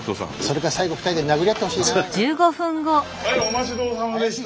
はいお待ちどおさまでした。